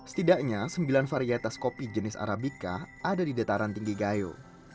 setidaknya sembilan varietas kopi jenis arabica ada di dataran tinggi gayo